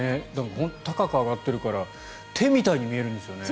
高く上がっているから手みたいに見えるんですよね。